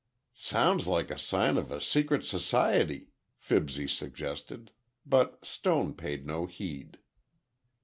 "Sounds like a sign of a secret society," Fibsy suggested, but Stone paid no heed.